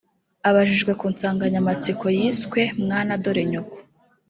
Abajijwe ku nsanganyamatsiko yiswe ‘ Mwana Dore Nyoko’